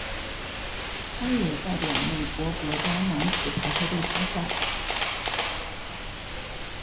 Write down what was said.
他也代表美国国家男子排球队参赛。